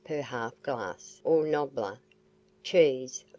per half glass, or "nobbler;" cheese, 4s.